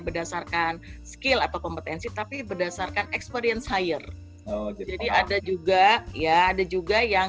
berdasarkan skill atau kompetensi tapi berdasarkan experience hire jadi ada juga ya ada juga yang